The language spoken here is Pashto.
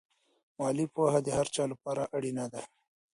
مالي پوهه د هر چا لپاره اړینه ده.